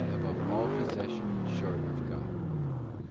73 above all possession short of God.